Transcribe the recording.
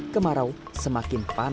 kalau tidak whao